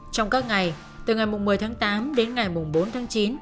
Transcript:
trong các ngày từ ngày một mươi tháng tám đến ngày bốn tháng chín